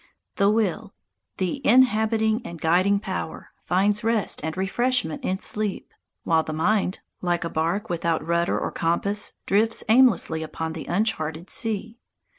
The will the inhibiting and guiding power finds rest and refreshment in sleep, while the mind, like a barque without rudder or compass, drifts aimlessly upon an uncharted sea.